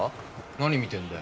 何見てんだよ。